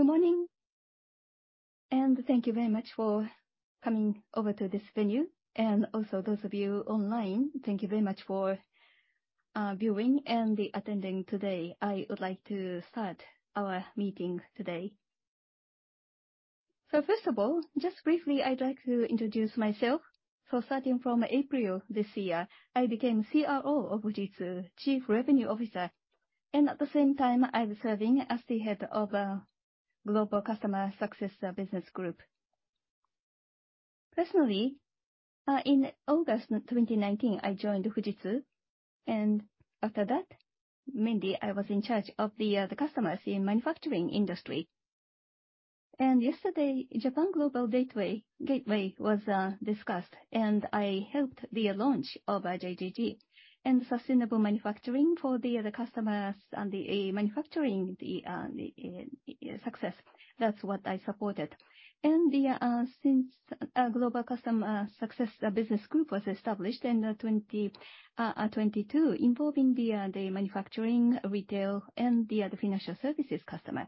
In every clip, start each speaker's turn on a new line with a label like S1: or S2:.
S1: Good morning, and thank you very much for coming over to this venue, and also those of you online, thank you very much for viewing and attending today. I would like to start our meeting today. First of all, just briefly, I'd like to introduce myself. Starting from April this year, I became CRO of Fujitsu, Chief Revenue Officer, and at the same time, I'm serving as the head of Global Customer Success Business Group. Personally, in August 2019, I joined Fujitsu, and after that, mainly I was in charge of the customers in manufacturing industry. Yesterday, Japan Global Gateway was discussed, and I helped the launch of JGG and sustainable manufacturing for the customers and the manufacturing success. That's what I supported. Since Global Customer Success Business Group was established in 2022, involving the manufacturing, retail, and the financial services customer.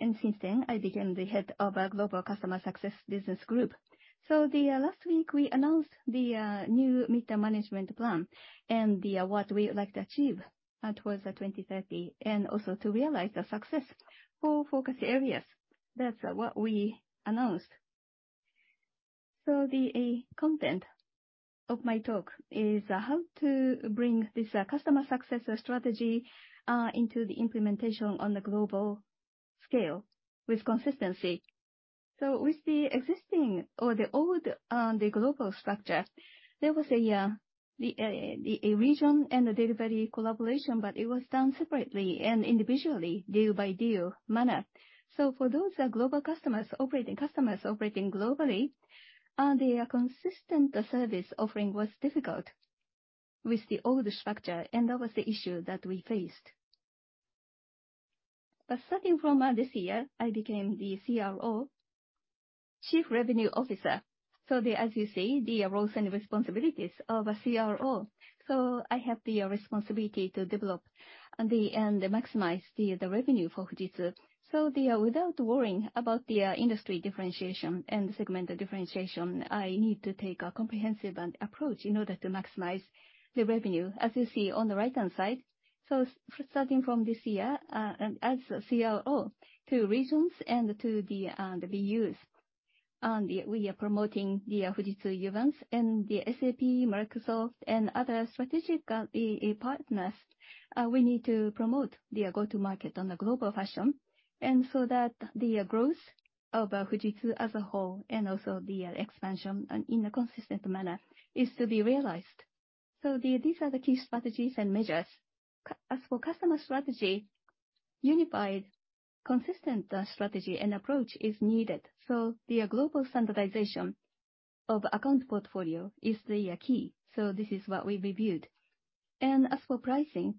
S1: Since then, I became the head of our Global Customer Success Business Group. Last week, we announced the new midterm management plan and what we would like to achieve towards 2030, and also to realize the success for focus areas. That's what we announced. The content of my talk is how to bring this customer success strategy into the implementation on the global scale with consistency. With the existing or the old global structure, there was a region and the delivery collaboration, but it was done separately and individually, deal by deal manner. For those global customers operating globally, the consistent service offering was difficult with the old structure, and that was the issue that we faced. Starting from this year, I became the CRO, Chief Revenue Officer, as you see, the roles and responsibilities of a CRO. I have the responsibility to develop and maximize the revenue for Fujitsu. Without worrying about the industry differentiation and segment differentiation, I need to take a comprehensive approach in order to maximize the revenue, as you see on the right-hand side. Starting from this year, and as a CRO, to regions and to the BUs, we are promoting the Fujitsu Uvance and the SAP, Microsoft, and other strategic partners. We need to promote the go-to-market on a global fashion, that the growth of Fujitsu as a whole and also the expansion in a consistent manner is to be realized. These are the key strategies and measures. As for customer strategy, unified, consistent strategy and approach is needed. Global standardization of account portfolio is the key. This is what we reviewed. As for pricing,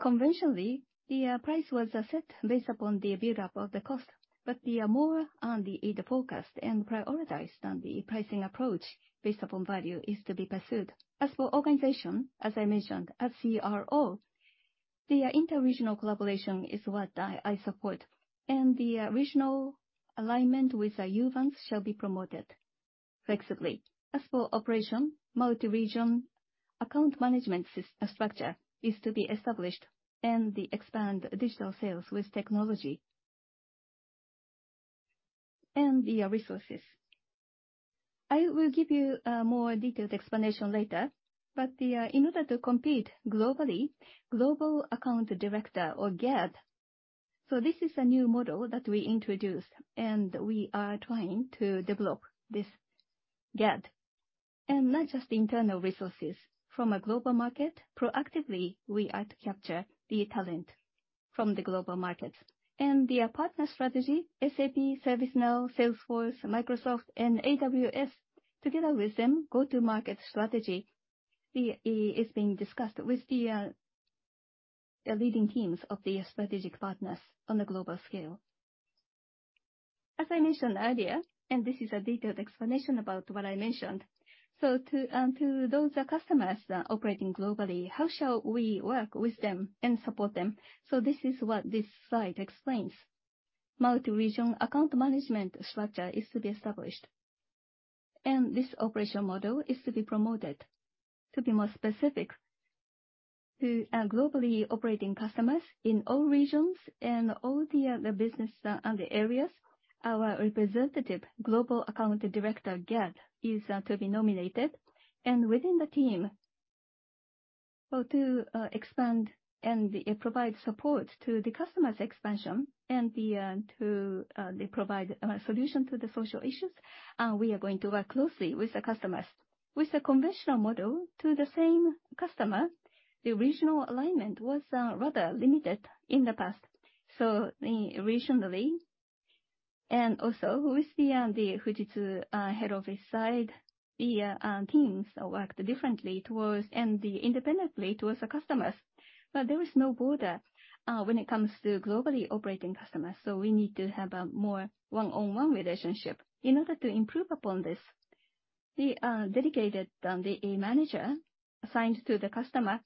S1: conventionally, the price was set based upon the buildup of the cost, but the more on the focus and prioritized on the pricing approach based upon value is to be pursued. As for organization, as I mentioned, as CRO, the interregional collaboration is what I support, and the regional alignment with our Uvance shall be promoted flexibly. As for operation, multi-region account management structure is to be established, and the expand digital sales with technology and the resources. I will give you more detailed explanation later. But the in order to compete globally, Global Account Director or GAD. This is a new model that we introduced. We are trying to develop this GAD. Not just internal resources. From a global market, proactively, we are to capture the talent from the global markets. The partner strategy, SAP, ServiceNow, Salesforce, Microsoft, and AWS, together with them, go-to-market strategy is being discussed with the leading teams of the strategic partners on a global scale. As I mentioned earlier, this is a detailed explanation about what I mentioned, to those customers that are operating globally, how shall we work with them and support them? This is what this slide explains. Multi-region account management structure is to be established. This operation model is to be promoted. To be more specific, to globally operating customers in all regions and all the business and the areas, our representative global account director, GAD, is to be nominated. Within the team, well, to expand and provide support to the customers' expansion and to they provide a solution to the social issues, we are going to work closely with the customers. With the conventional model to the same customer, the regional alignment was rather limited in the past. Regionally, and also with the Fujitsu head office side, the teams worked differently towards, and independently towards the customers. There is no border when it comes to globally operating customers, we need to have a more one-on-one relationship. In order to improve upon this, the dedicated manager assigned to the customer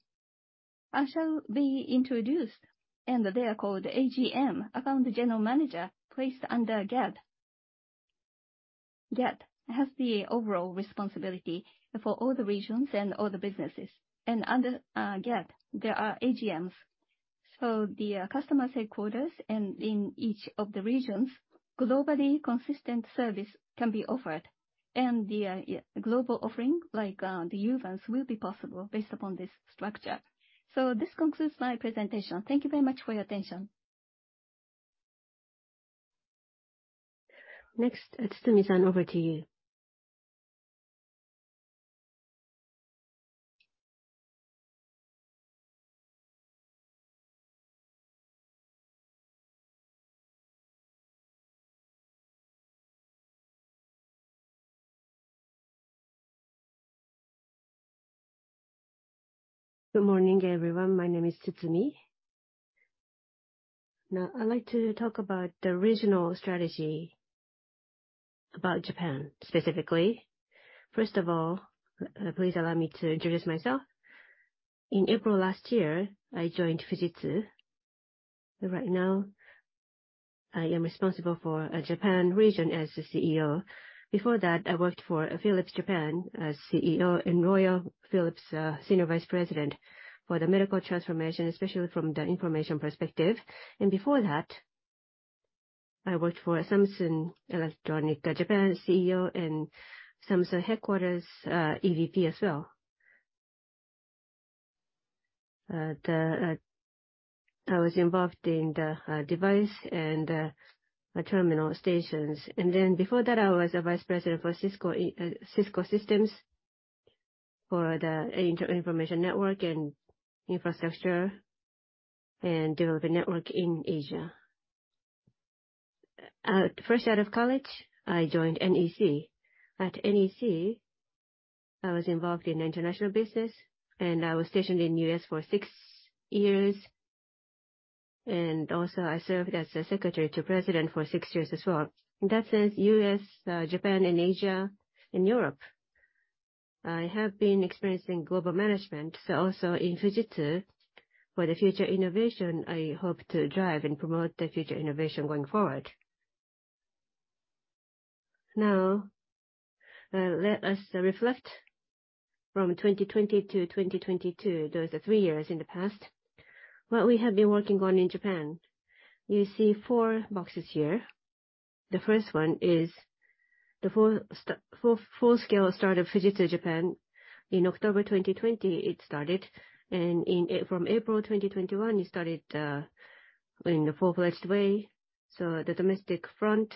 S1: shall be introduced, and they are called AGM, Account General Manager, placed under GAD. GAD has the overall responsibility for all the regions and all the businesses. Under GAD, there are AGMs. The customer headquarters and in each of the regions, globally consistent service can be offered, the global offering, like the Uvance, will be possible based upon this structure. This concludes my presentation. Thank you very much for your attention. Next, Tsumi-san, over to you.
S2: Good morning, everyone. My name is Tsumi. I'd like to talk about the regional strategy, about Japan, specifically. First of all, please allow me to introduce myself. In April last year, I joined Fujitsu. Right now, I am responsible for a Japan region as the CEO. Before that, I worked for Philips Japan as CEO and Royal Philips, Senior Vice President for the medical transformation, especially from the information perspective. Before that, I worked for Samsung Electronics, Japan CEO and Samsung headquarters, EVP as well. I was involved in the device and the terminal stations. Before that, I was a Vice President for Cisco Systems, for the interinformation network and infrastructure and the network in Asia. First out of college, I joined NEC. At NEC, I was involved in international business, and I was stationed in U.S. for six years, and also I served as a secretary to president for six years as well. In that sense, U.S., Japan, and Asia and Europe, I have been experiencing global management. Also in Fujitsu, for the future innovation, I hope to drive and promote the future innovation going forward. Let us reflect from 2020 to 2022. Those are three years in the past. What we have been working on in Japan, you see four boxes here. The first one is the full scale start of Fujitsu Japan. In October 2020, it started. From April 2021, it started in a full-fledged way. The domestic front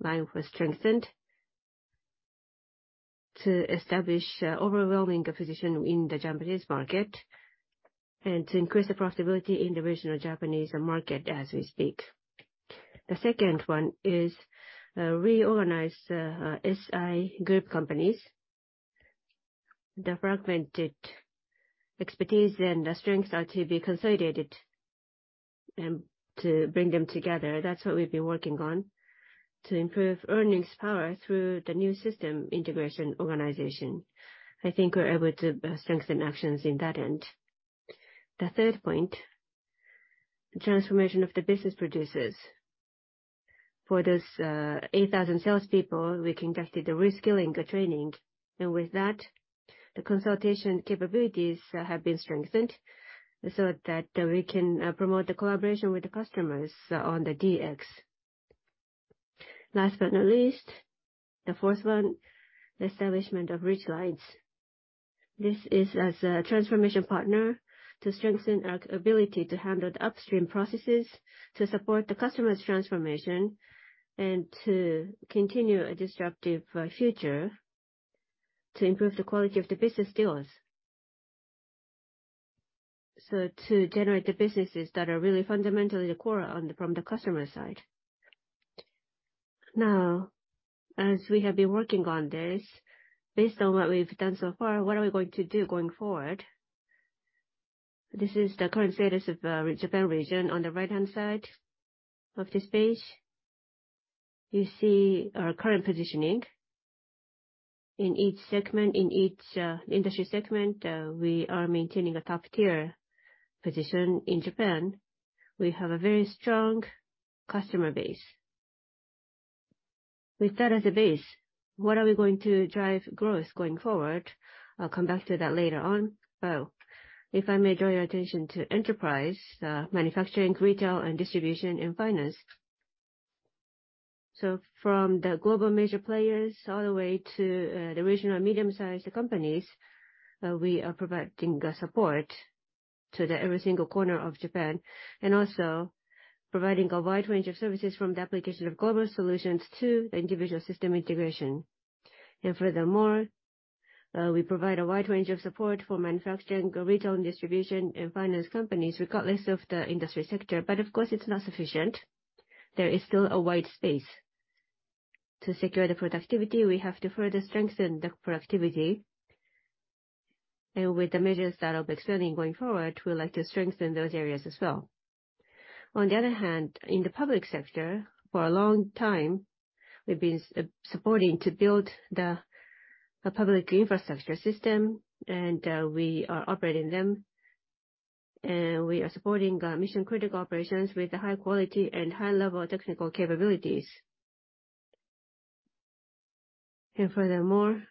S2: line was strengthened to establish overwhelming position in the Japanese market and to increase the profitability in the regional Japanese market as we speak. The second one is reorganize SI group companies. The fragmented expertise and the strengths are to be consolidated, to bring them together. That's what we've been working on to improve earnings power through the new system integration organization. I think we're able to strengthen actions in that end. The third point, transformation of the business producers. For this 8,000 salespeople, we conducted a reskilling training. The consultation capabilities have been strengthened so that we can promote the collaboration with the customers on the DX. Last but not least, the fourth one, the establishment of Ridgelinez. This is as a transformation partner to strengthen our ability to handle the upstream processes, to support the customer's transformation, and to continue a disruptive future, to improve the quality of the business deals. To generate the businesses that are really fundamentally the core on the, from the customer side. As we have been working on this, based on what we've done so far, what are we going to do going forward? This is the current status of Japan region on the right-hand side of this page. You see our current positioning. In each segment, in each industry segment, we are maintaining a top-tier position in Japan. We have a very strong customer base. With that as a base, what are we going to drive growth going forward? I'll come back to that later on. If I may draw your attention to enterprise, manufacturing, retail, and distribution, and finance. From the global major players all the way to, the regional medium-sized companies, we are providing, support to the every single corner of Japan, and also providing a wide range of services from the application of global solutions to individual system integration. Furthermore, we provide a wide range of support for manufacturing, retail, and distribution, and finance companies, regardless of the industry sector. Of course, it's not sufficient. There is still a wide space. To secure the productivity, we have to further strengthen the productivity. With the measures that I'll be extending going forward, we'd like to strengthen those areas as well. On the other hand, in the public sector, for a long time, we've been supporting to build the public infrastructure system, and we are operating them, and we are supporting mission-critical operations with high quality and high level of technical capabilities. Furthermore,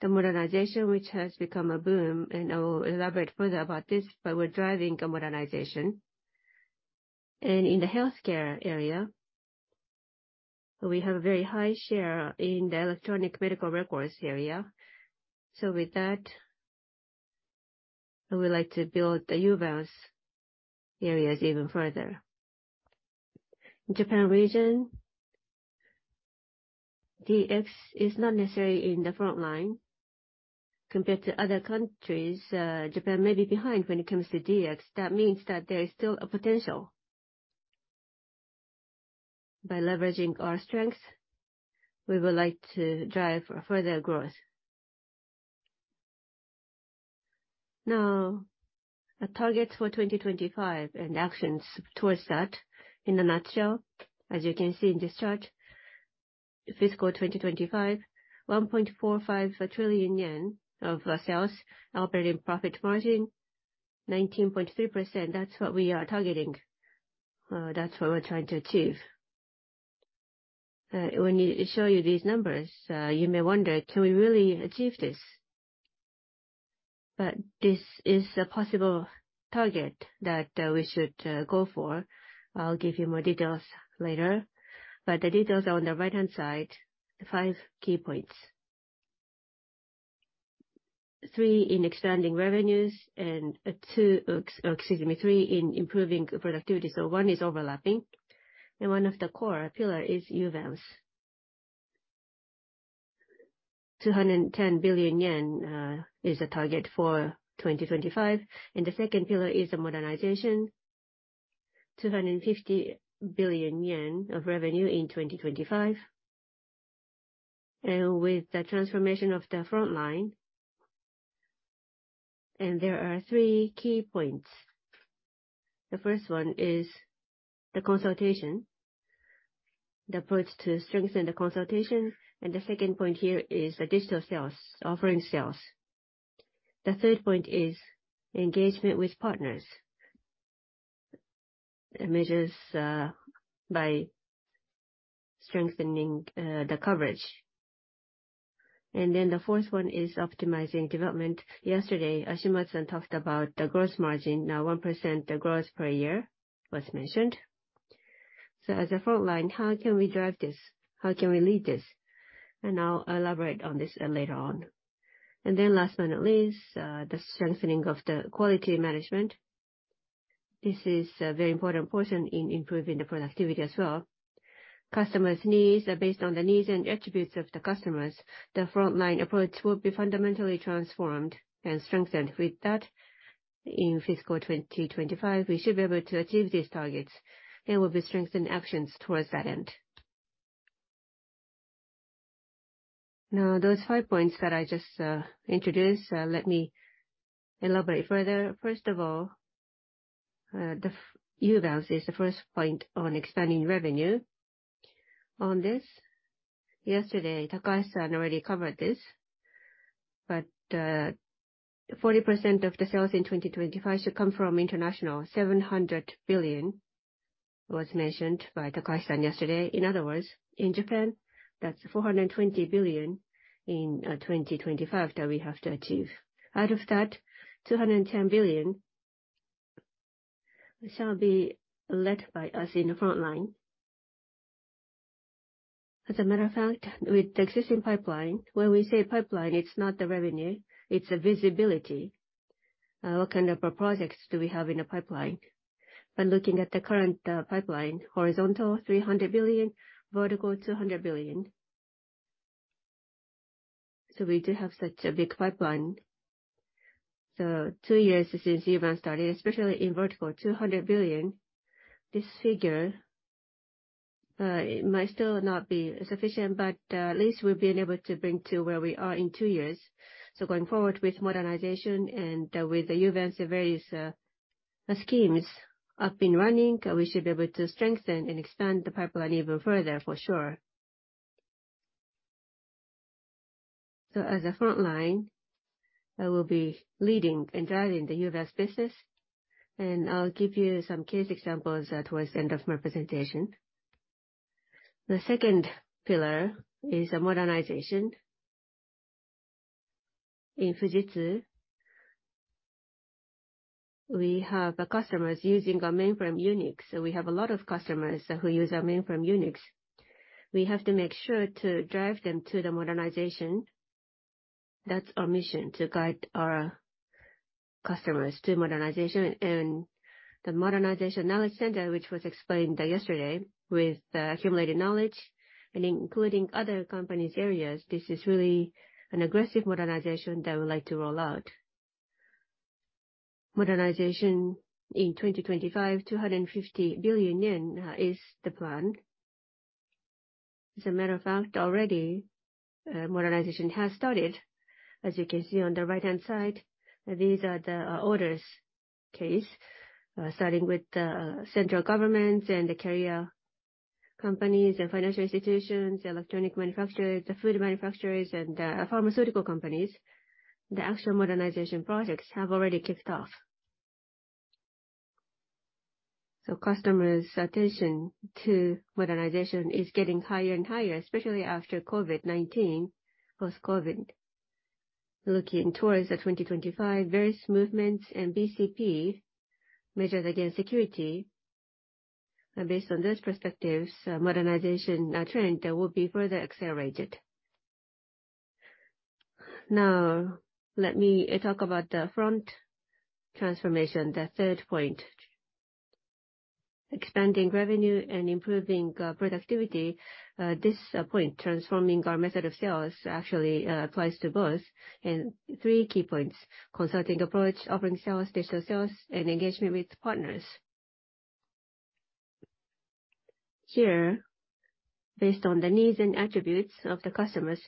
S2: the modernization, which has become a boom, and I will elaborate further about this, but we're driving the modernization. In the healthcare area, we have a very high share in the electronic medical records area. With that, I would like to build the Uvance areas even further. Japan region, DX is not necessarily in the front line. Compared to other countries, Japan may be behind when it comes to DX. That means that there is still a potential. By leveraging our strengths, we would like to drive further growth. The targets for 2025 and actions towards that. In a nutshell, as you can see in this chart, fiscal 2025, 1.45 trillion yen of sales, operating profit margin 19.3%, that's what we are targeting, that's what we're trying to achieve. When show you these numbers, you may wonder, "Can we really achieve this?" This is a possible target that we should go for. I'll give you more details later, the details are on the right-hand side, the five key points. Three in expanding revenues, two, excuse me, three in improving productivity, one is overlapping, one of the core pillar is Uvance. 210 billion yen is the target for 2025. The second pillar is the modernization, 250 billion yen of revenue in 2025. With the transformation of the frontline, there are three key points. The first one is the consultation, the approach to strengthen the consultation. The second point here is the digital sales, offering sales. The third point is engagement with partners, and measures by strengthening the coverage. The fourth one is optimizing development. Yesterday, Ashimoto-san talked about the gross margin, now 1%, the growth per year was mentioned. As a frontline, how can we drive this? How can we lead this? I'll elaborate on this later on. Last but not least, the strengthening of the quality management. This is a very important portion in improving the productivity as well. Customers' needs are based on the needs and attributes of the customers. The frontline approach will be fundamentally transformed and strengthened. With that, in fiscal 2025, we should be able to achieve these targets and will be strengthening actions towards that end. Those five points that I just introduced, let me elaborate further. First of all, the Uvance is the first point on expanding revenue. On this, yesterday, Takahashi-san already covered this, but 40% of the sales in 2025 should come from international. 700 billion was mentioned by Takahashi-san yesterday. In other words, in Japan, that's 420 billion in 2025 that we have to achieve. Out of that, 210 billion shall be led by us in the frontline. As a matter of fact, with the existing pipeline, when we say pipeline, it's not the revenue, it's the visibility. What kind of projects do we have in the pipeline? By looking at the current pipeline, horizontal, 300 billion, vertical, 200 billion. We do have such a big pipeline. Two years since Uvance started, especially in vertical, 200 billion, this figure, it might still not be sufficient, but at least we've been able to bring to where we are in two years. Going forward with modernization and with the Uvance, various schemes up and running, we should be able to strengthen and expand the pipeline even further for sure. As a frontline, I will be leading and driving the Uvance business, and I'll give you some case examples towards the end of my presentation. The second pillar is a modernization. In Fujitsu, we have the customers using our mainframe UNIX, so we have a lot of customers who use our mainframe UNIX. We have to make sure to drive them to the modernization. That's our mission, to guide our customers to modernization. The Modernization Knowledge Center, which was explained yesterday, with the accumulated knowledge and including other companies' areas, this is really an aggressive modernization that we'd like to roll out. Modernization in 2025, 250 billion yen is the plan. As a matter of fact, already, modernization has started. As you can see on the right-hand side, these are the orders case, starting with the central government and the carrier companies and financial institutions, electronic manufacturers, the food manufacturers, and pharmaceutical companies. The actual modernization projects have already kicked off. Customers' attention to modernization is getting higher and higher, especially after COVID-19, post-COVID. Looking towards 2025, various movements and BCP measures against security, based on those perspectives, modernization trend will be further accelerated. Let me talk about the front transformation, the third point. Expanding revenue and improving productivity, this point, transforming our method of sales, actually, applies to both in three key points: consulting approach, offering sales, digital sales, and engagement with partners. Here, based on the needs and attributes of the customers,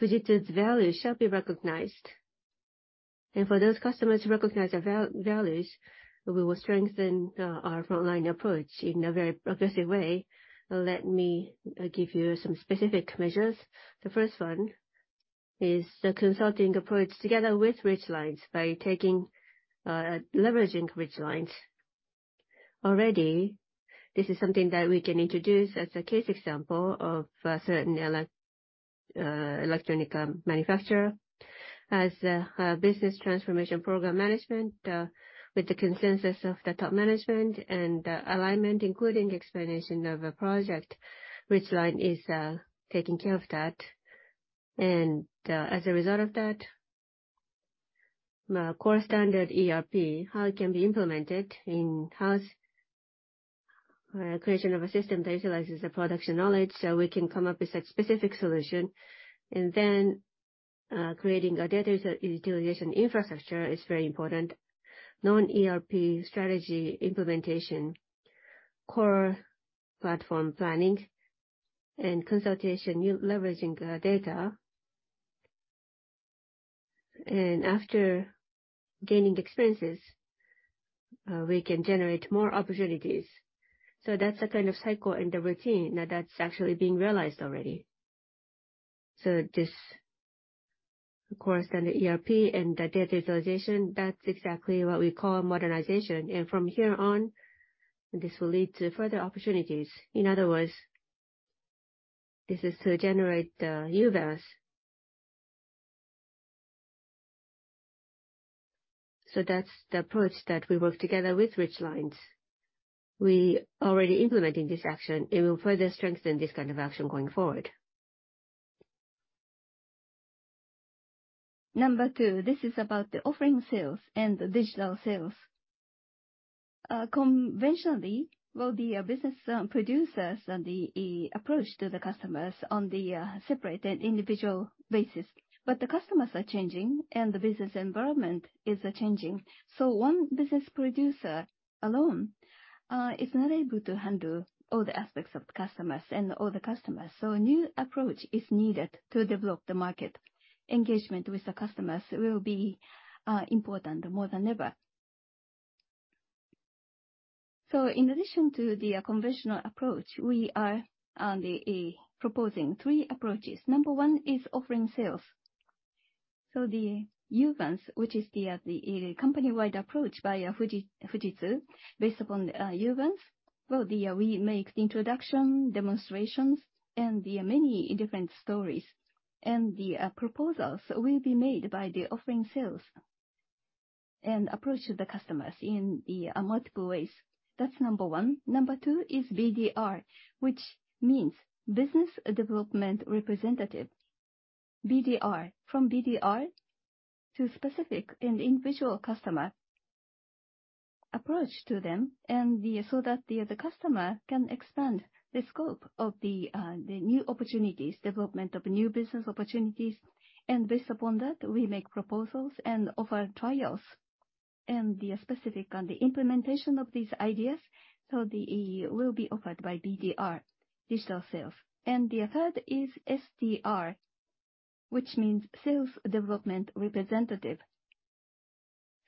S2: Fujitsu's value shall be recognized. For those customers to recognize our values, we will strengthen our frontline approach in a very progressive way. Let me give you some specific measures. The first one is the consulting approach, together with Ridgelinez, by taking leveraging Ridgelinez. Already, this is something that we can introduce as a case example of a certain electronic manufacturer. As a business transformation program management, with the consensus of the top management and alignment, including explanation of a project, Ridgelinez is taking care of that. As a result of that, core standard ERP, how it can be implemented in-house, creation of a system that utilizes the production knowledge, so we can come up with a specific solution. Creating a data utilization infrastructure is very important. Non-ERP strategy implementation, core platform planning, and consultation, leveraging data. After gaining experiences, we can generate more opportunities. That's the kind of cycle and the routine that's actually being realized already. This, of course, then the ERP and the data utilization, that's exactly what we call modernization. From here on, this will lead to further opportunities. In other words, this is to generate new values. That's the approach that we work together with Ridgelinez. We already implementing this action, it will further strengthen this kind of action going forward. Number two, this is about the offering sales and the digital sales. Conventionally, well, the business producers and the approach to the customers on the separate and individual basis, but the customers are changing and the business environment is changing. One business producer alone is not able to handle all the aspects of the customers and all the customers, so a new approach is needed to develop the market. Engagement with the customers will be important more than ever. In addition to the conventional approach, we are the proposing three approaches. Number one is offering sales. The Uvance, which is the company-wide approach by Fujitsu. Based upon Uvance, we make the introduction, demonstrations, and the many different stories. The proposals will be made by the offering sales and approach to the customers in multiple ways. That's number one. Number two is BDR, which means Business Development Representative, BDR. From BDR to specific and individual customer, approach to them, so that the customer can expand the scope of the new opportunities, development of new business opportunities. Based upon that, we make proposals and offer trials and specific on the implementation of these ideas, so the EE will be offered by BDR, digital sales. The third is SDR, which means Sales Development Representative.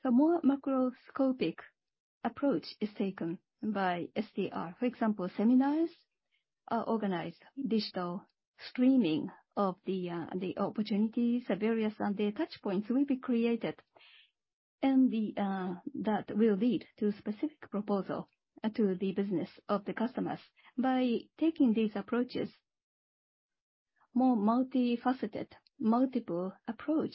S2: More macroscopic approach is taken by SDR. For example, seminars are organized, digital streaming of the opportunities, various, and the touchpoints will be created. The that will lead to specific proposal to the business of the customers. By taking these approaches, more multifaceted, multiple approach,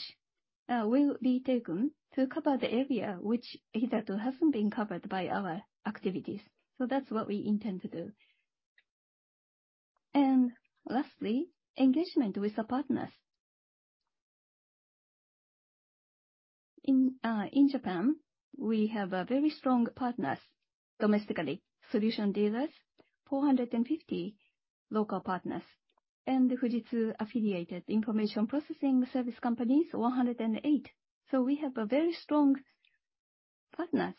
S2: will be taken to cover the area which either hasn't been covered by our activities. That's what we intend to do. Lastly, engagement with the partners. In Japan, we have very strong partners domestically, solution dealers, 450 local partners. The Fujitsu affiliated information processing service companies, 108. We have very strong partners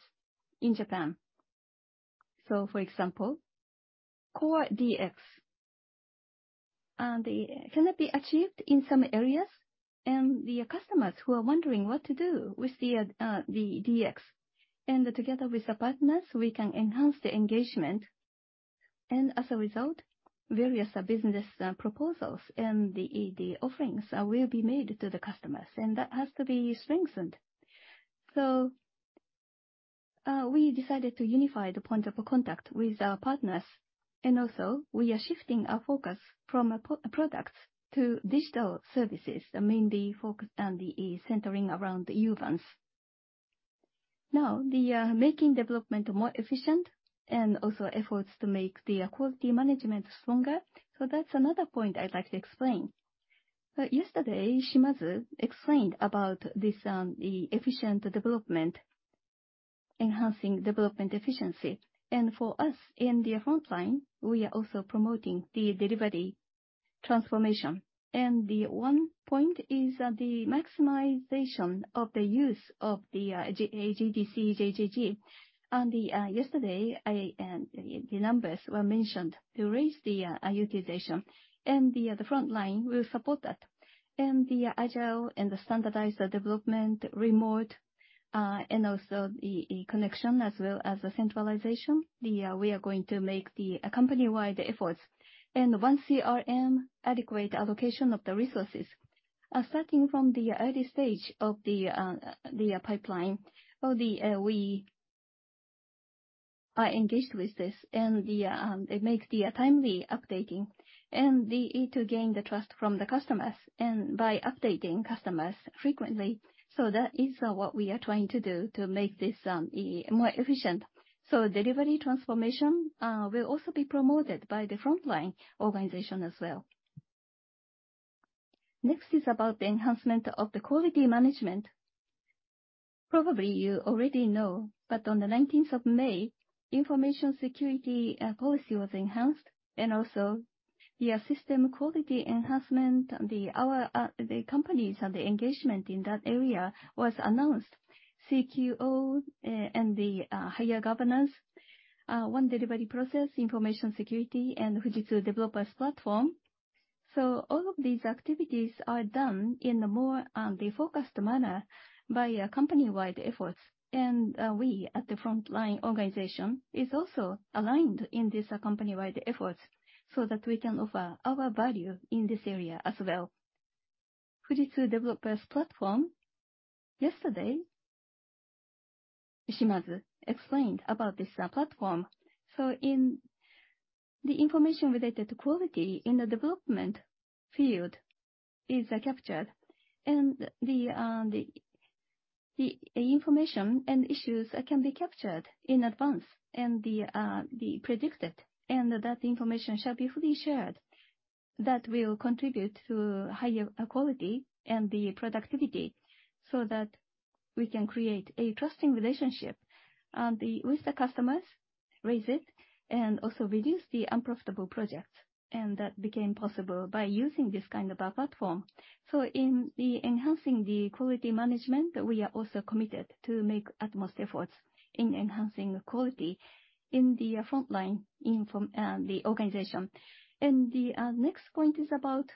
S2: in Japan. For example, core DX, can it be achieved in some areas? The customers who are wondering what to do with the DX. Together with the partners, we can enhance the engagement, and as a result, various business proposals and the offerings will be made to the customers, and that has to be strengthened. We decided to unify the point of contact with our partners, and also we are shifting our focus from products to digital services, mainly centering around the Uvance. Making development more efficient and also efforts to make the quality management stronger. That's another point I'd like to explain. Yesterday, Shimazu explained about this, the efficient development, enhancing development efficiency. For us in the frontline, we are also promoting the delivery transformation. The one point is that the maximization of the use of the AGDC JGG. Yesterday, I, the numbers were mentioned to raise the utilization, and the frontline will support that. The agile and the standardized development, remote, and also the connection as well as the centralization, we are going to make the company-wide efforts. One CRM, adequate allocation of the resources. Starting from the early stage of the pipeline, or we are engaged with this, and they make the timely updating. It will gain the trust from the customers, and by updating customers frequently. That is what we are trying to do to make this more efficient. Delivery transformation will also be promoted by the frontline organization as well. Next is about the enhancement of the quality management. Probably you already know, but on the 19th of May, information security policy was enhanced, and also the system quality enhancement, the companies and the engagement in that area was announced. CQO, and the higher governance, one delivery process, information security, and Fujitsu Developers Platform. All of these activities are done in a more focused manner by a company-wide efforts. We at the frontline organization is also aligned in this company-wide efforts, so that we can offer our value in this area as well. Fujitsu Developers Platform, yesterday, Shimazu explained about this platform. In the information related to quality in the development field is captured, and the information and issues can be captured in advance and be predicted, and that information shall be fully shared. That will contribute to higher quality and productivity, so that we can create a trusting relationship with the customers, raise it, and also reduce the unprofitable projects. That became possible by using this kind of a platform. In enhancing the quality management, we are also committed to make utmost efforts in enhancing quality in the frontline, from the organization. The next point is about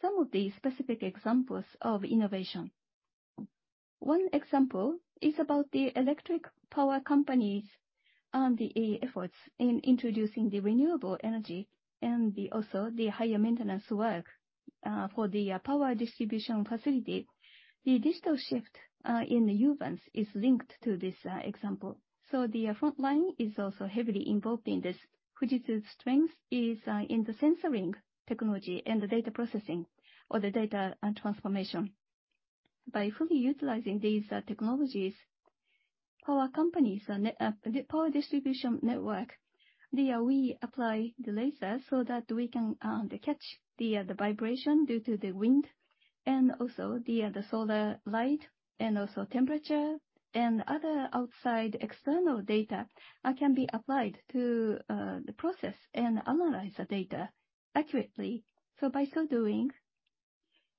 S2: some of the specific examples of innovation. One example is about the electric power companies and the efforts in introducing the renewable energy and also the higher maintenance work for the power distribution facility. The digital shift in the Uvance is linked to this example. The frontline is also heavily involved in this. Fujitsu's strength is in the sensoring technology and the data processing, or the data and transformation. By fully utilizing these technologies, power companies and the power distribution network, there we apply the laser so that we can catch the vibration due to the wind, and also the solar light and also temperature, and other outside external data can be applied to the process and analyze the data accurately. By so doing,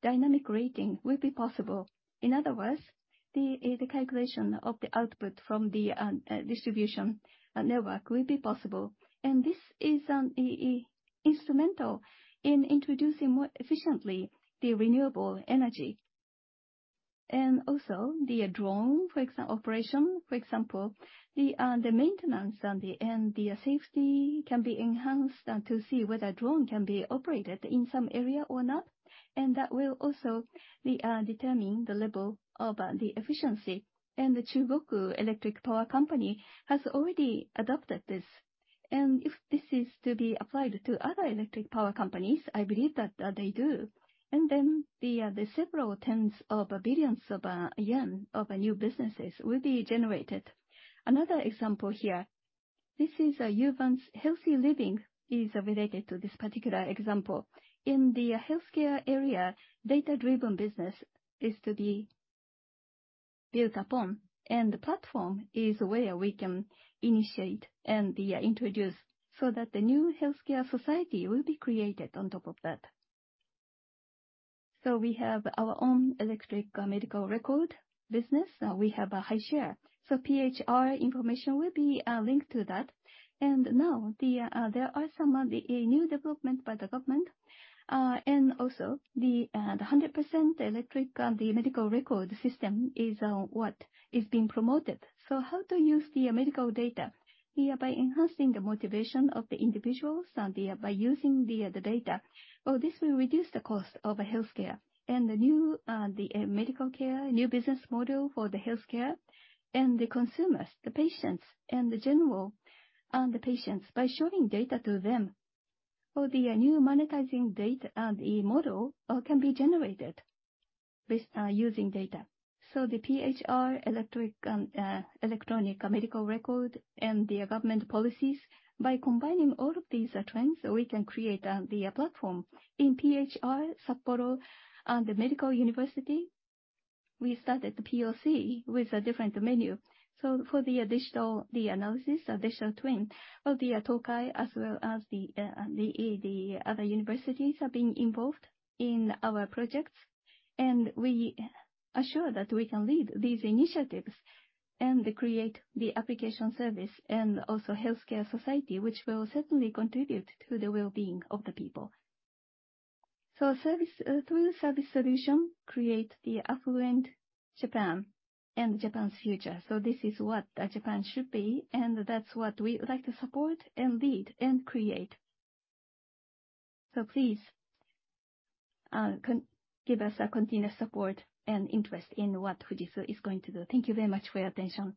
S2: dynamic rating will be possible. In other words, the calculation of the output from the distribution network will be possible. This is instrumental in introducing more efficiently the renewable energy. Also the drone, operation, for example, the maintenance and the safety can be enhanced to see whether drone can be operated in some area or not, and that will also determine the level of the efficiency. The Chubu Electric Power Company has already adopted this. If this is to be applied to other electric power companies, I believe that they do. Then the several tens of billions of JPY of new businesses will be generated. Another example here, this is Uvance Healthy Living is related to this particular example. In the healthcare area, data-driven business is to be built upon, and the platform is where we can initiate and introduce, so that the new healthcare society will be created on top of that. We have our own electric medical record business, we have a high share. PHR information will be linked to that. Now, there are some new development by the government, and also the 100% electric medical record system is what is being promoted. How to use the medical data? By enhancing the motivation of the individuals and by using the data. Well, this will reduce the cost of healthcare and the new medical care, new business model for the healthcare and the consumers, the patients, and the general, and the patients, by showing data to them, or the new monetizing data, and a model can be generated with using data. The PHR, electric, electronic medical record, and the government policies, by combining all of these trends, we can create the platform. In PHR, Sapporo, and the medical university, we started the POC with a different menu. For the additional, the analysis, digital twin, well, Tokai, as well as the other universities are being involved in our projects, and we are sure that we can lead these initiatives and create the application service and also healthcare society, which will certainly contribute to the well-being of the people. Service through service solution, create the affluent Japan and Japan's future. This is what Japan should be, and that's what we would like to support and lead and create. Please give us continuous support and interest in what Fujitsu is going to do. Thank you very much for your attention.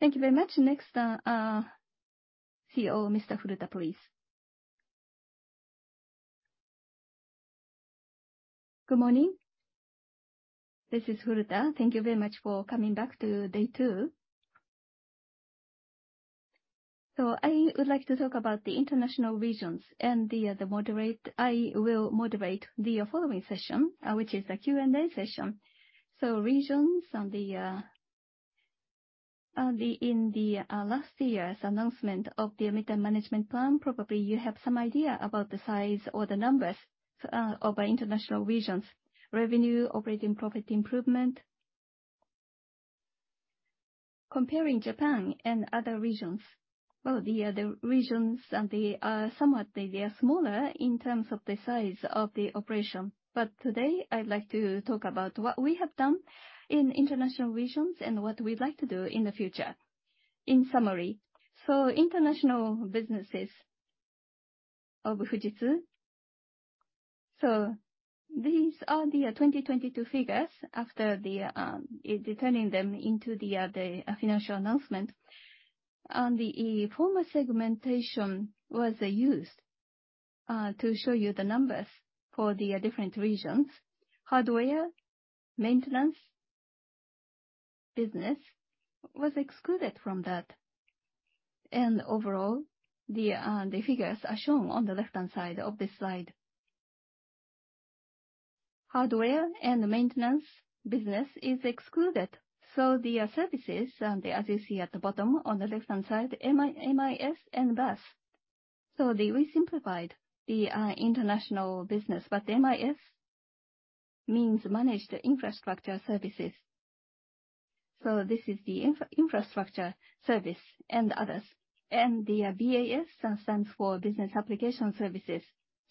S1: Thank you very much. Next, COO, Mr. Furuta, please.
S3: Good morning. This is Furuta. Thank you very much for coming back to day two. I would like to talk about the international regions and the, I will moderate the following session, which is a Q&A session. Regions and the, in the last year's announcement of the Medium-Term Management Plan, probably you have some idea about the size or the numbers of our international regions. Revenue, operating profit improvement. Comparing Japan and other regions, well, the regions and the somewhat they are smaller in terms of the size of the operation. Today, I'd like to talk about what we have done in international regions and what we'd like to do in the future. In summary, international businesses of Fujitsu, these are the 2022 figures after returning them into the financial announcement. The former segmentation was used to show you the numbers for the different regions. Hardware, maintenance, business was excluded from that. Overall, the figures are shown on the left-hand side of this slide. Hardware and maintenance business is excluded, so the services, and as you see at the bottom on the left-hand side, MIS and BAS. We simplified the international business, but MIS means Managed Infrastructure Services. This is the infrastructure service and others. The BAS stands for Business Application Services,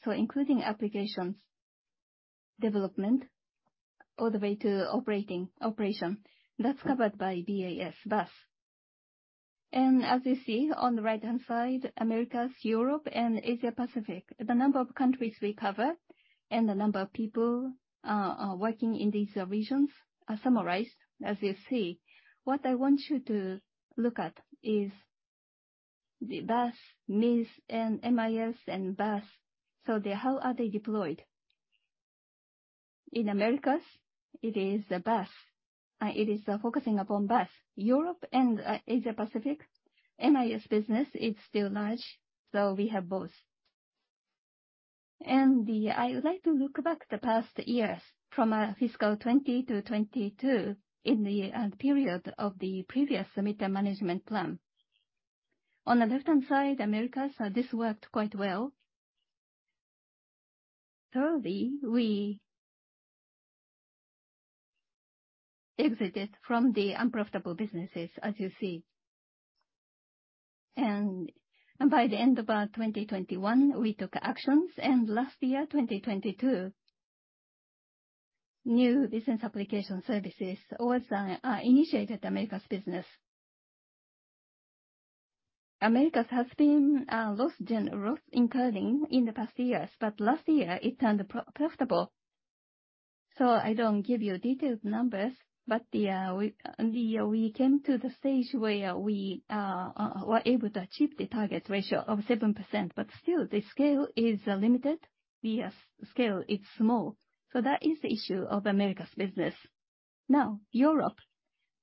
S3: so including applications, development, all the way to operation. That's covered by BAS. As you see on the right-hand side, Americas, Europe, and Asia Pacific, the number of countries we cover and the number of people working in these regions are summarized, as you see. What I want you to look at is the BAS, MIS, and MIS and BAS. How are they deployed? In Americas, it is the BAS, it is focusing upon BAS. Europe and Asia Pacific, MIS business is still large, so we have both. I would like to look back the past years, from fiscal 2020 to 2022, in the period of the previous Medium-Term Management Plan. On the left-hand side, Americas, this worked quite well. Thirdly, we exited from the unprofitable businesses, as you see. By the end of 2021, we took actions, and last year, 2022, new Business Application Services was initiated Americas business. Americas has been loss gen, loss incurring in the past years, but last year, it turned profitable. I don't give you detailed numbers, but we came to the stage where we were able to achieve the target ratio of 7%, but still the scale is limited. The scale is small, so that is the issue of Americas business. Now, Europe.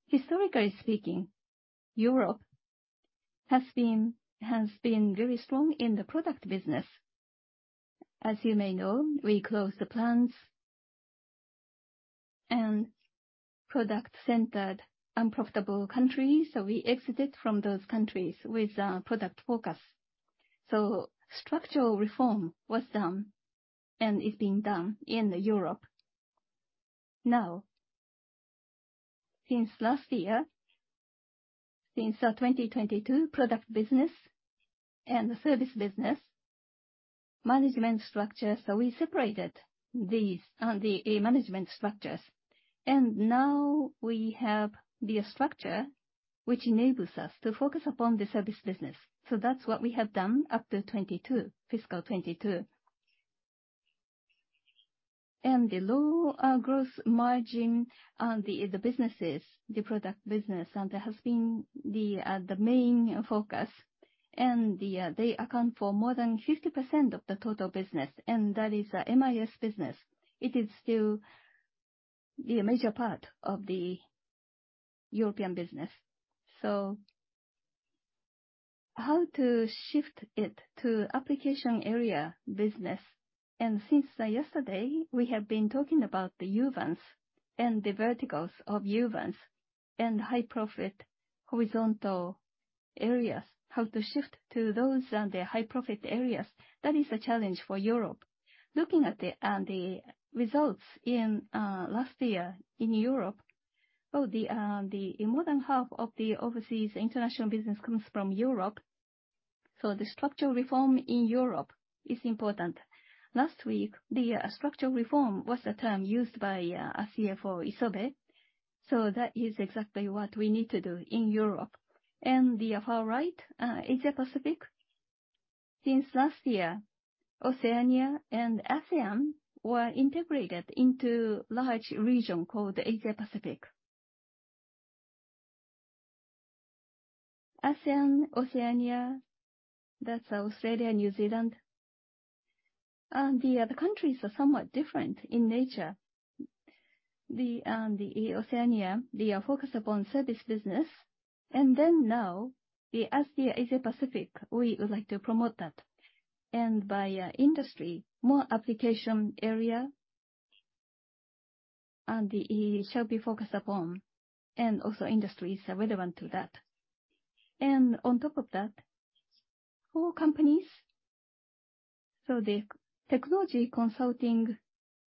S3: Historically speaking, Europe has been very strong in the product business. As you may know, we closed the plans and product-centered unprofitable countries, so we exited from those countries with product focus. Structural reform was done and is being done in Europe. Since last year, since 2022, product business and service business management structure, so we separated these management structures. Now we have the structure which enables us to focus upon the service business. That's what we have done up to 22, fiscal 2022. The low growth margin businesses, the product business, that has been the main focus, they account for more than 50% of the total business, that is the MIS business. It is still the major part of the European business. How to shift it to application area business? Since yesterday, we have been talking about the Uvance and the verticals of Uvance and high-profit horizontal areas, how to shift to those and the high-profit areas. That is a challenge for Europe. Looking at the results in last year in Europe, so the more than half of the overseas international business comes from Europe, so the structural reform in Europe is important. Last week, the structural reform was the term used by our CFO, Isobe, so that is exactly what we need to do in Europe. The far right, Asia Pacific, since last year, Oceania and ASEAN were integrated into large region called Asia Pacific. ASEAN, Oceania, that's Australia and New Zealand. The countries are somewhat different in nature. The Oceania, they are focused upon service business, and then now, the Asia Pacific, we would like to promote that. By industry, more application area, and the shall be focused upon, and also industries are relevant to that. On top of that, 4 companies, so the technology consulting,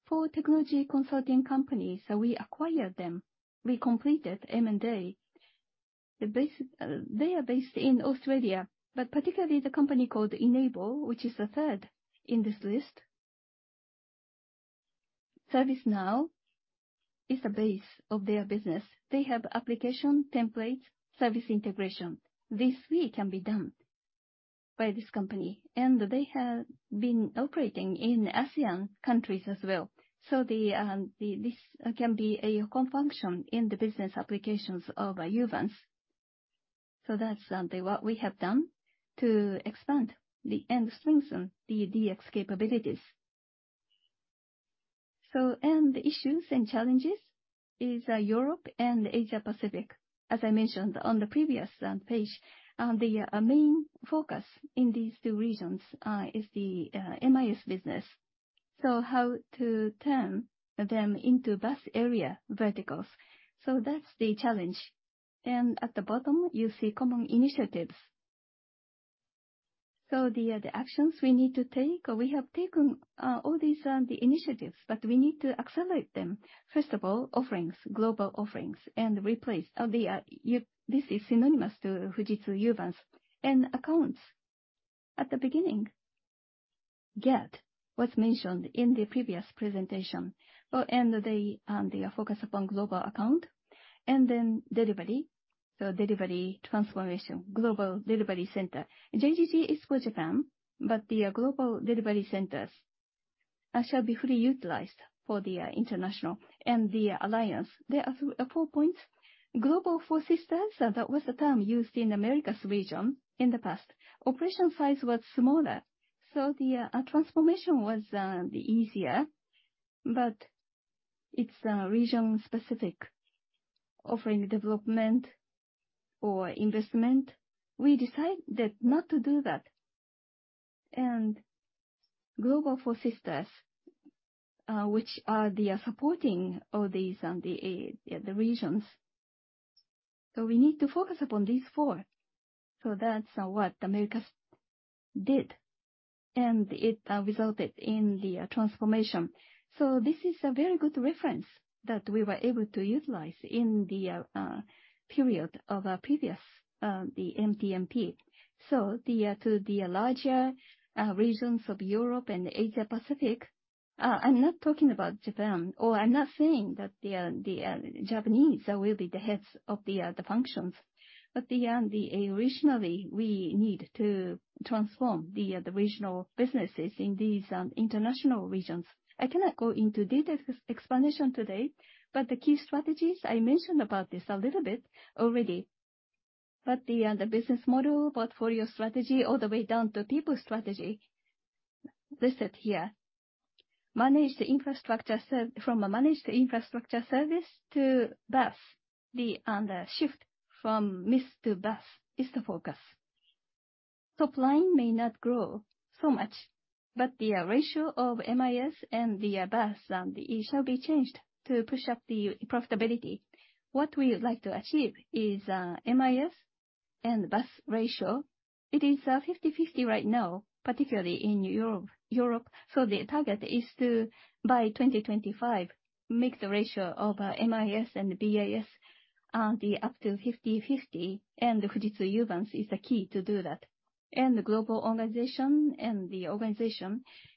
S3: 4 technology consulting companies, so we acquired them. We completed M&A. They are based in Australia, but particularly the company called Enable, which is the 3rd in this list. ServiceNow is the base of their business. They have application, templates, service integration. This really can be done by this company, and they have been operating in ASEAN countries as well. This can be a core function in the business applications of Uvance. That's what we have done to expand the end solution, the DX capabilities. The issues and challenges is Europe and Asia Pacific. As I mentioned on the previous page, the main focus in these two regions is the MIS business. How to turn them into vast area verticals? That's the challenge. At the bottom, you see common initiatives. The actions we need to take, we have taken all these the initiatives, but we need to accelerate them. First of all, offerings, global offerings, replace the this is synonymous to Fujitsu Uvance and accounts. At the beginning, GAD was mentioned in the previous presentation, and they are focused upon global account, and then delivery, so delivery transformation, global delivery center. JGG is for Japan, the global delivery centers shall be fully utilized for the international and the alliance. There are four points. global four sisters, that was the term used in Americas region in the past. Operation size was smaller, the transformation was easier, but it's region specific. Offering development or investment, we decided that not to do that. Global four sisters, which are the supporting of these regions. We need to focus upon these four. That's what Americas did, and it resulted in the transformation. This is a very good reference that we were able to utilize in the period of previous MTMP. To the larger regions of Europe and Asia Pacific, I'm not talking about Japan, or I'm not saying that the Japanese will be the heads of the functions. Regionally, we need to transform the regional businesses in these international regions. I cannot go into detail explanation today, the key strategies, I mentioned about this a little bit already. The business model, portfolio strategy, all the way down to people strategy, listed here. From a Managed Infrastructure Services to BAS, the shift from MIS to BAS is the focus. Top line may not grow so much, but the ratio of MIS and the BAS, it shall be changed to push up the profitability. What we would like to achieve is MIS and BAS ratio. It is 50/50 right now, particularly in Europe. The target is to, by 2025, make the ratio of MIS and BAS up to 50/50, and Fujitsu Uvance is the key to do that. The global organization,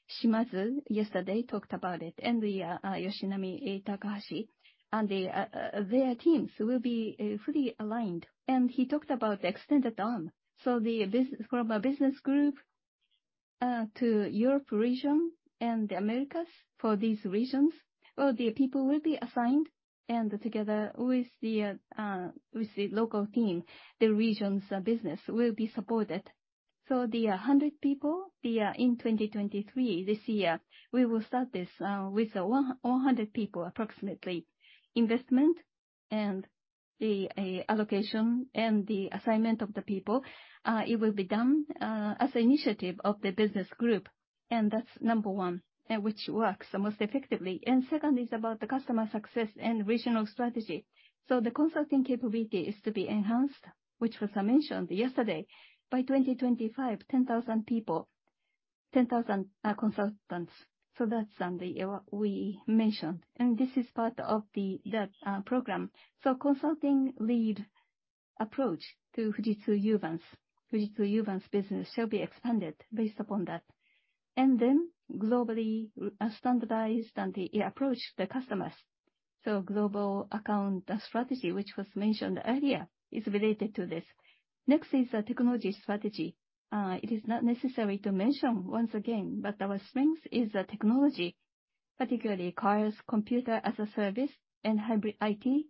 S3: Shimazu yesterday talked about it, and Yoshinami Takahashi and their teams will be fully aligned. He talked about the extended arm, so from a business group to Europe region and the Americas for these regions, well, the people will be assigned, and together with the local team, the region's business will be supported. The 100 people in 2023, this year, we will start this with 100 people, approximately. Investment and allocation and the assignment of the people, it will be done as an initiative of the business group, and that's number one, which works the most effectively. Second is about the customer success and regional strategy. The consulting capability is to be enhanced, which was mentioned yesterday. By 2025, 10,000 people, 10,000 consultants. That's the we mentioned, and this is part of the program. Consulting lead approach to Fujitsu Uvance, Fujitsu Uvance business shall be expanded based upon that. Globally standardized and approach the customers. Global account strategy, which was mentioned earlier, is related to this. Next is the technology strategy. It is not necessary to mention once again, but our strength is the technology, particularly CaaS, Computing as a Service, and Hybrid IT.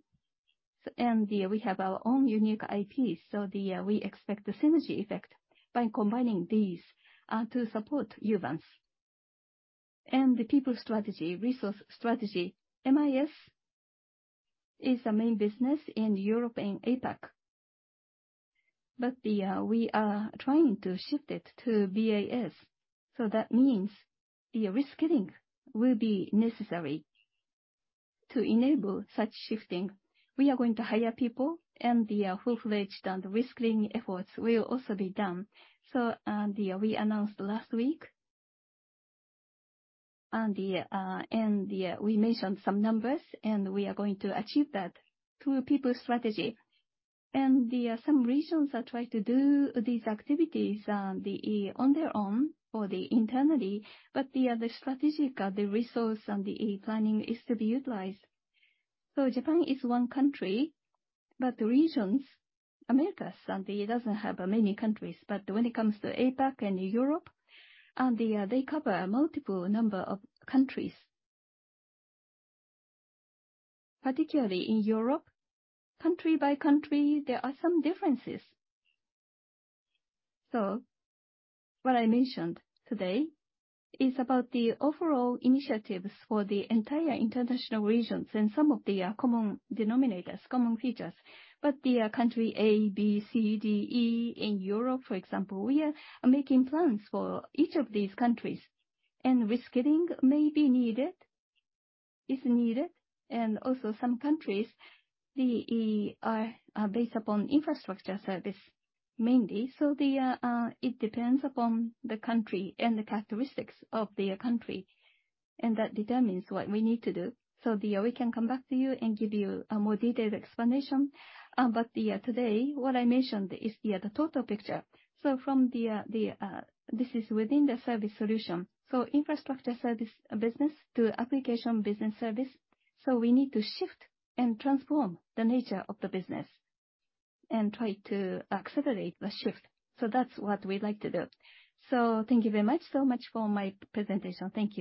S3: We have our own unique IP, so the we expect the synergy effect by combining these to support Uvance. The people strategy, resource strategy, MIS is the main business in Europe and APAC, but we are trying to shift it to BAS. That means the reskilling will be necessary to enable such shifting. We are going to hire people, and full-fledged and reskilling efforts will also be done. We announced last week, and we mentioned some numbers, and we are going to achieve that through people strategy. Some regions are trying to do these activities on their own or internally, but the strategic resource and planning is to be utilized. Japan is one country, but the regions, Americas, and it doesn't have many countries, but when it comes to APAC and Europe, they cover a multiple number of countries. Particularly in Europe, country by country, there are some differences. What I mentioned today is about the overall initiatives for the entire international regions and some of the common denominators, common features. The country A, B, C, D, E in Europe, for example, we are making plans for each of these countries. Reskilling may be needed, is needed, and also some countries, the based upon infrastructure service mainly. The it depends upon the country and the characteristics of the country, and that determines what we need to do. The we can come back to you and give you a more detailed explanation, but the today, what I mentioned is the the total picture. From the, this is within the service solution, so infrastructure service business to application business service, so we need to shift and transform the nature of the business and try to accelerate the shift. That's what we'd like to do. Thank you very much, so much for my presentation. Thank you.